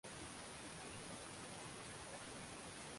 kuna lio halafu kaskazini kuna mji unaitwa ee bozole